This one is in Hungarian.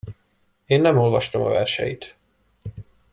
Én nem olvastam a verseit.